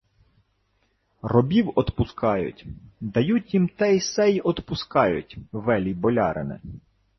— Робів одпускають. Дають їм те-се й одпускають, велій болярине.